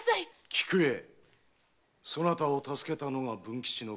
菊絵そなたを助けたのが文吉の不運。